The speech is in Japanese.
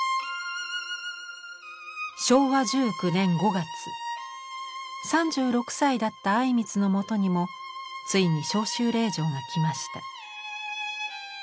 昭和１９年５月３６歳だった靉光のもとにもついに召集令状が来ました。